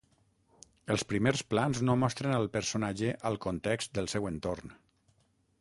Els primers plans no mostren al personatge al context del seu entorn.